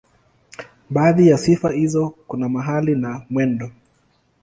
Baadhi ya sifa hizo kuna mahali na mwendo.